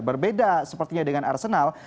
berbeda sepertinya dengan arsenal